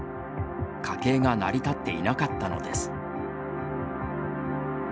家計が成り立っていなかったのです。